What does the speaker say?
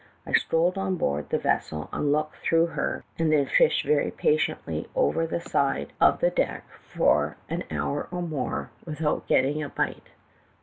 I strolled on board the vessel and looked through her, and then fished very patiently over the side of A CHEMICAL DETECTIVE. 309 the deck, for an hour or more, without getting a bite.